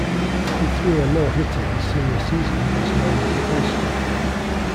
He threw a no-hitter his senior season against Normandy High School.